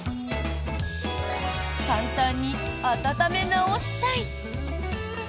簡単に温め直したい。